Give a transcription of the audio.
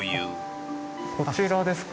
こちらですか？